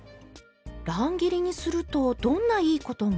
乱切りにするとどんないいことが？